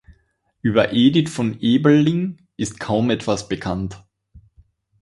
Über Edith von Ebeling ist kaum etwas bekannt.